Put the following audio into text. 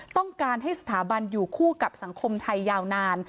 ต้องการให้สถาบันอยู่คู่กับสังคมไทยยาวนาน